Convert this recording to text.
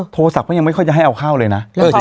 โทรศัพท์ก็ยังไม่ค่อยจะให้เอาเข้าเลยนะ